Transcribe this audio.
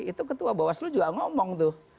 itu ketua bawaslu juga ngomong tuh